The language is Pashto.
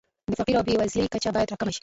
د فقر او بېوزلۍ کچه باید راکمه شي.